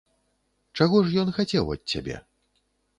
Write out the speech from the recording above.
Чаго ж ён хацеў ад цябе?